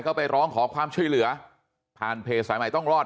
ก็ไปร้องขอความช่วยเหลือผ่านเพจสายใหม่ต้องรอด